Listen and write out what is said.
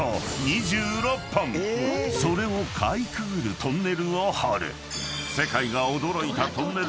［それをかいくぐるトンネルを掘る］